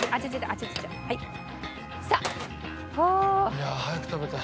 いやあ早く食べたい。